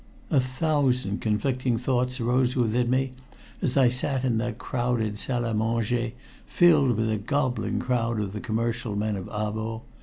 A thousand conflicting thoughts arose within me as I sat in that crowded salle à manger filled with a gobbling crowd of the commercial men of Abo.